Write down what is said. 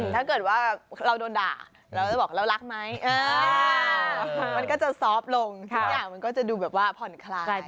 ถ้าเกิดว่าเราโดนด่าเราจะบอกเรารักไหมมันก็จะซอฟต์ลงทุกอย่างมันก็จะดูแบบว่าผ่อนคลาย